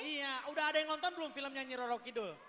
iya udah ada yang nonton belum film nyanyi rorok kidul